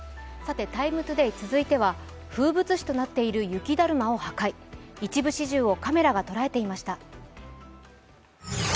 「ＴＩＭＥ，ＴＯＤＡＹ」続いては風物詩となっている雪だるまを破壊、一部始終をカメラが捉えていました。